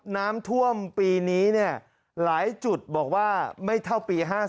น้ำท่วมปีนี้เนี่ยหลายจุดบอกว่าไม่เท่าปี๕๔